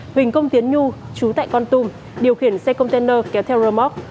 huỳnh công tiến nhu chú tại con tùm điều khiển xe container kéo theo remote